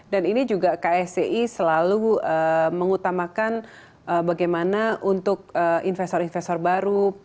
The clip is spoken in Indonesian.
dan ini juga ksi selalu mengutamakan bagaimana untuk investor investor baru